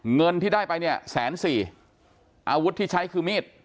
เงินที่ได้ไปเนี่ยแสนสี่อาวุธที่ใช้คือมีด